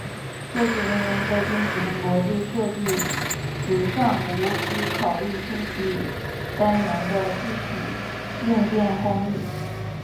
设计人员在进行逻辑设计时尚无需考虑信息单元的具体硬件工艺。